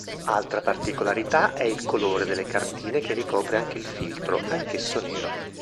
Altra particolarità è il colore delle cartine che ricopre anche il filtro, anch'esso nero.